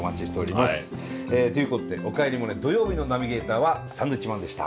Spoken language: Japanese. ということで「おかえりモネ」土曜日のナビゲーターはサンドウィッチマンでした。